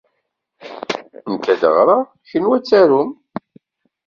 Nekk ad d-ɣreɣ, kenwi ad tarumt.